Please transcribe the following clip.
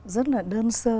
rất là đơn sơ